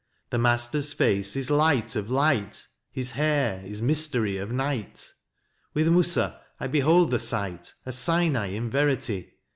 The Master's face is Light of Light, his hair is Mystery of Night : With Musa I behold the Sight, a Sinai in verity.